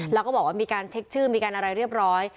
แล้วก็บอกว่ามีการเช็คชื่อมีการอะไรเรียบร้อย